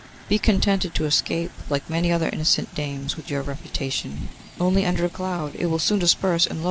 Be contented to escape, like many other innocent dames, with your reputation only under a cloud: it will soon disperse; and lo!